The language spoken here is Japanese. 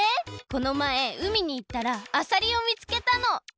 このまえうみにいったらあさりを見つけたの！